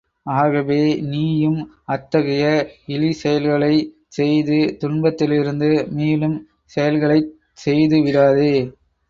ஆகவே நீயும், அத்தகைய இழிசெயல்களைச் செய்து, துன்பத்திலிருந்து மீளும் செயல்களைச் செய்து விடாதே.